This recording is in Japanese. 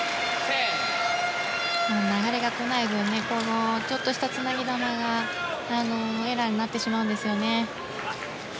流れが来ない分ちょっとしたつなぎ球がエラーになってしまうんですね。